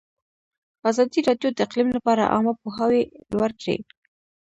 ازادي راډیو د اقلیم لپاره عامه پوهاوي لوړ کړی.